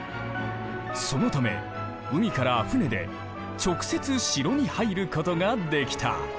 そのため海から船で直接城に入ることができた。